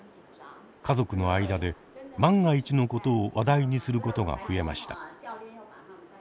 家族の間で万が一のことを話題にすることが増えました。